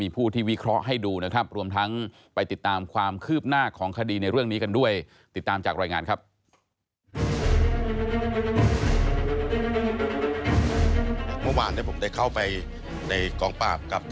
ไปงานครับ